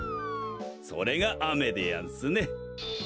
それがあめでやんすね。